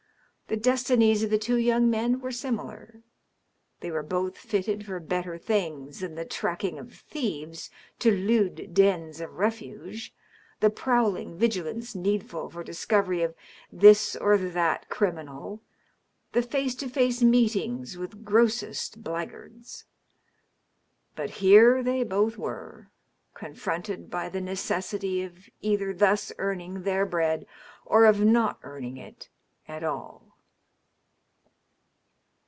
The destinies of the two young men were similar. They were both fitted for better things than the tracking of thieves to lewd dens of refuge, the prowling vigilance needful for discovery of this or that criminal, the face to &oe meetings with grossest blackguards. But here they botii were, confronted by the necessity of either thus earning their bread or of not earning it at all.